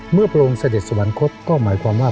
เมื่อโปรงเสด็จสวรรค์กฎก็หมายความว่า